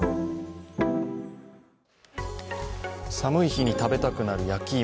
寒い日に食べたくなる焼き芋